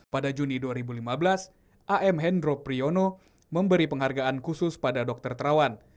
pada juni dua ribu lima belas am hendro priyono memberi penghargaan khusus pada dokter terawan